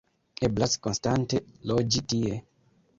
Eblas konstante loĝi tie.